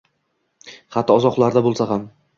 Hatto, uzoqlarda bo`lsa ham